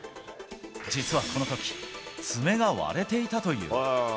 実はこのとき、爪が割れていたという。